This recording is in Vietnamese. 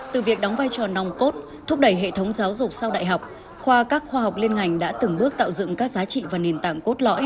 từ việc đóng vai trò nòng cốt thúc đẩy hệ thống giáo dục sau đại học khoa các khoa học liên ngành đã từng bước tạo dựng các giá trị và nền tảng cốt lõi